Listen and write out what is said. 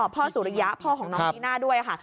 สุริยะพ่อของน้องจีน่าด้วยค่ะ